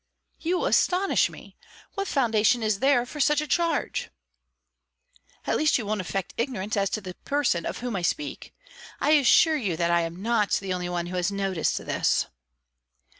"You astonish me. What foundation is there for such a charge?" "At least you won't affect ignorance as to the person of whom I speak. I assure you that I am not the only one who has noticed this."